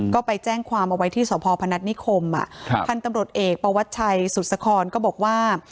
ก็ไปแจ้งความเอาไว้ที่สพพนัฐนิคมพันธุ์ตำรวจเอกประวัชชัยสุสครก็บอกว่า